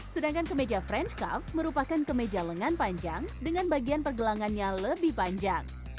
sedangkan kemeja french cuff merupakan kemeja lengan panjang dengan bagian pergelangannya lebih panjang